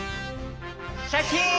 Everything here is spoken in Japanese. シャキーン！